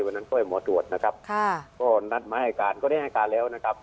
วันนั้นค่อยหมอตรวจนะครับค่ะก็นัดมาให้การก็ได้ให้การแล้วนะครับ